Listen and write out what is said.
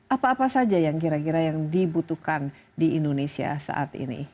apa apa saja yang kira kira yang dibutuhkan di indonesia saat ini